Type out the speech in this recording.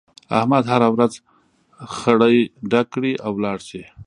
احمد هر ورځ خړی ډک کړي او ولاړ شي.